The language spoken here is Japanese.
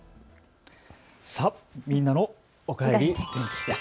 みんなのおかえり天気です。